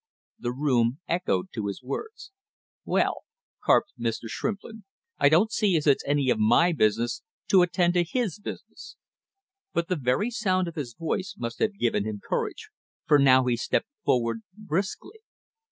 The room echoed to his words. "Well," carped Mr. Shrimplin, "I don't see as it's any of my business to attend to his business!" But the very sound of his voice must have given him courage, for now he stepped forward, briskly.